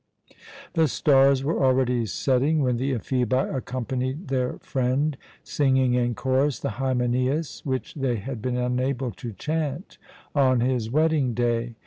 The stars were already setting when the Ephebi accompanied their friend, singing in chorus the Hymenæus, which they had been unable to chant on his wedding day.